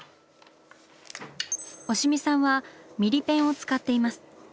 押見さんはミリペンを使っています。